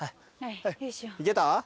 いけた？